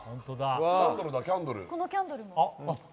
このキャンドルも？